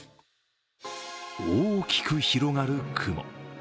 大きく広がる雲。